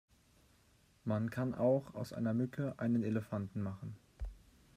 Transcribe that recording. Man kann auch aus einer Mücke einen Elefanten machen!